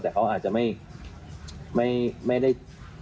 แต่เขาอาจจะไม่ได้